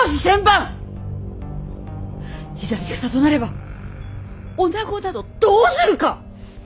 いざ戦となれば女などどうするか！